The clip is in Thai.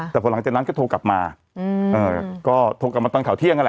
แต่พอหลังจากนั้นก็โทรกลับมาก็โทรกลับมาตอนข่าวเที่ยงนั่นแหละ